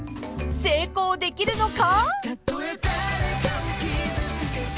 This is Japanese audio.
［成功できるのか！？］